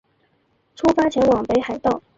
出发前往北海道